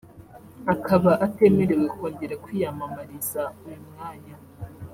akaba atemerewe kongera kwiyamamariza uyu mwanya